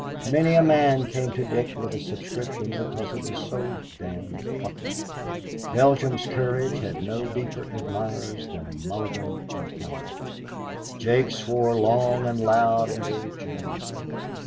Many a man came to Dick with a subscription because it was so "damned plucky." Belgium's courage had no deeper admirers than Mulligan and Cowder. Jake swore long and loud and gave generously.